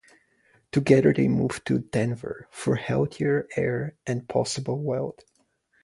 Together they moved to Denver for healthier air and possible wealth.